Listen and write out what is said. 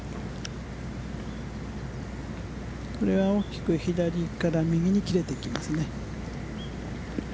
これは大きく左から右に切れていきますね。